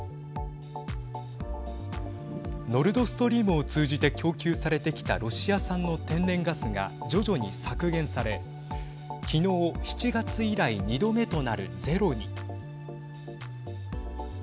ノルドストリームを通じて供給されてきたロシア産の天然ガスが徐々に削減され昨日７月以来２度目となるゼロに。